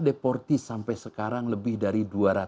deportis sampai sekarang lebih dari